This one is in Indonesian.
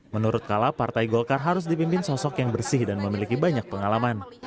menurut kala partai golkar harus dipimpin sosok yang bersih dan memiliki banyak pengalaman